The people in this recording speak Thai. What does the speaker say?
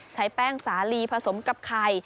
ใช้แป้งสาลีผสมกับไข่